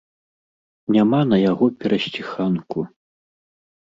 Няма на яго перасціханку.